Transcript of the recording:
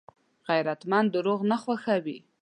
غیرتمند درواغ نه خوښوي